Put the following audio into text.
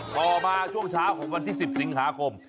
ต่อมาช่วงเช้าของวันที่๑๐สิงหาคม